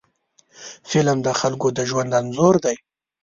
فلم د خلکو د ژوند انځور دی